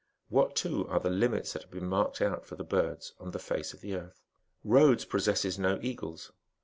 "What, too, are the limit that have been marked out for the birds on the face of th earth ? Ehodes'^ possesses no eagles.